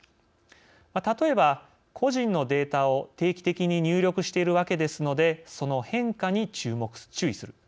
例えば、個人のデータを定期的に入力しているわけですのでその変化に注意する。